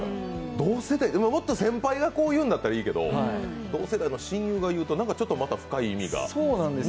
同世代、もっと先輩がこう言うんだったらいいんだけど同世代の親友がまた言うと深い意味が。